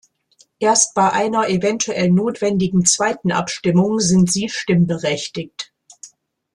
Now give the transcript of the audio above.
Erst bei einer eventuell notwendigen zweiten Abstimmung sind sie stimmberechtigt.